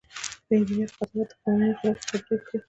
که د انجینر قضاوت د قوانینو خلاف وي خبره یې کړئ.